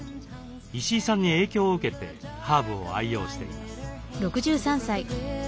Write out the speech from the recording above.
石井さんに影響を受けてハーブを愛用しています。